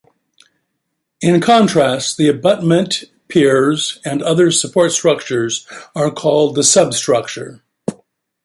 In contrast, the abutment, piers, and other support structures are called the substructure.